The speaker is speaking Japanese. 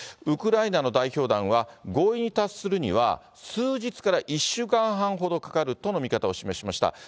ウクライナの代表団は、合意に達するには、数日から１週間半ほどかかるとの見方を示しました。